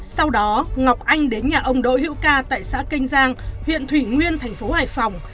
sau đó ngọc anh đến nhà ông đỗ hữu ca tại xã kênh giang huyện thủy nguyên thành phố hải phòng